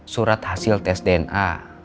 surat hasil tes dna